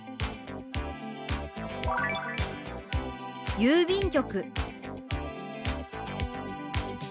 「郵便局」。